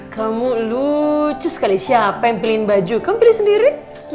kamu lucu sekali siapa yang pilihin baju kamu pilih sendiri